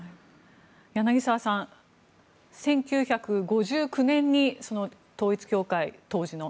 柳澤さん、１９５９年に統一教会、当時の。